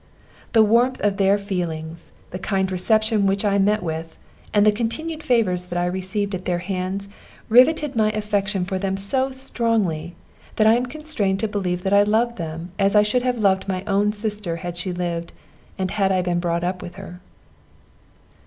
The warmth of their feelings, the kind reception which I met with, and the continued favors that I received at their hands, rivetted my affection for them so strongly that I am constrained to believe that I loved them as I should have loved my own sister had she lived, and I had been brought up with her.